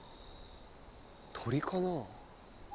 鳥かなあ？